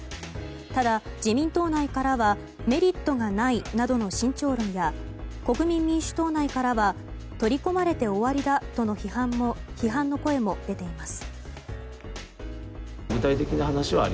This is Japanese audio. ただ、自民党内からはメリットがないなどの慎重論や国民民主党内からは取り込まれて終わりだとの批判の声も出ています。